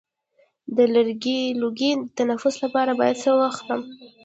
د لوګي د تنفس لپاره باید څه واخلم؟